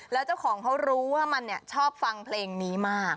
แล้วเจ้าของเขารู้ว่ามันชอบฟังเพลงนี้มาก